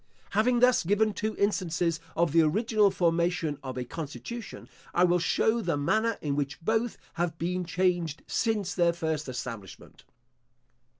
Having thus given two instances of the original formation of a constitution, I will show the manner in which both have been changed since their first establishment.